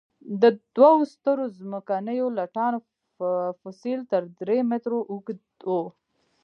د دوو سترو ځمکنیو لټانو فسیل تر درې مترو اوږده وو.